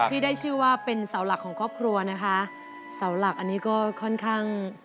ที่ได้ชื่อว่าเป็นเสาหลักของครอบครัวนะคะเสาหลักอันนี้ก็ค่อนข้าง